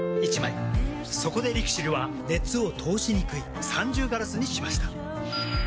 そこでＬＩＸＩＬは熱を通しにくい三重ガラスにしました。